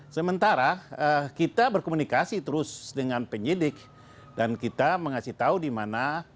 sementara kita berkomunikasi terus dengan penyidik dan kita mengasih tahu di mana